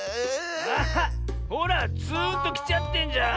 あっほらツーンときちゃってんじゃん。